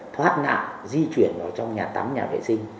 thoát nạn di chuyển vào trong nhà tắm nhà vệ sinh